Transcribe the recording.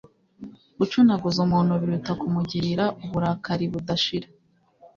gucunaguza umuntu biruta kumugirira uburakari budashira